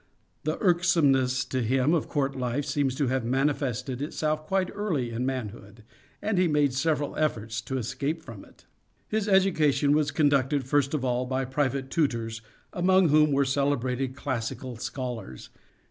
The irksomeness to him of court life seems to have manifested itself quite early in manhood and he made several efforts to escape from it. His education was conducted first of all by private tutors among whom were celebrated classical scholars.